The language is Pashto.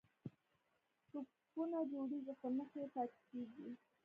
ټپونه جوړیږي خو نښې یې پاتې کیږي.